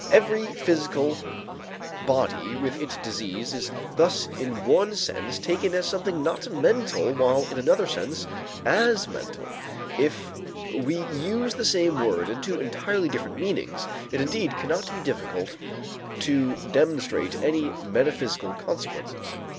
Every physical body with its disease is thus in one sense taken as something not mental while in another sense as mental; if we use the same word in two entirely different meanings, it indeed cannot be difficult to demonstrate any metaphysical consequences.